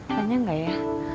tanya enggak ya